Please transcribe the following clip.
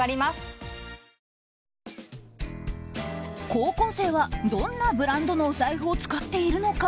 高校生はどんなブランドのお財布を使っているのか。